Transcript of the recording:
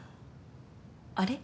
あれ？